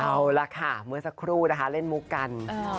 เอาล่ะค่ะเมื่อสักครู่นะคะเล่นมุกกัน